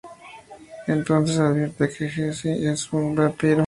Entonces advierte que Jesse es un vampiro.